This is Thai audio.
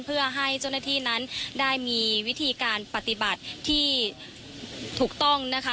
เพื่อให้เจ้าหน้าที่นั้นได้มีวิธีการปฏิบัติที่ถูกต้องนะคะ